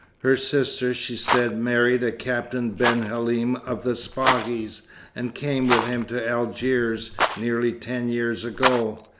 Her sister, she said, married a Captain Ben Halim of the Spahis, and came with him to Algiers, nearly ten years ago.